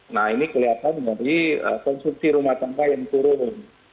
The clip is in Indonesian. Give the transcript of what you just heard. nah ini kelihatan dari konsumsi rumah tangga yang turun